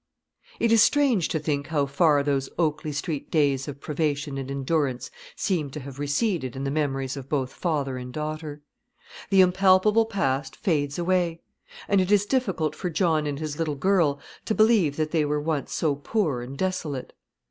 It is strange to think how far those Oakley street days of privation and endurance seem to have receded in the memories of both father and daughter. The impalpable past fades away, and it is difficult for John and his little girl to believe that they were once so poor and desolate.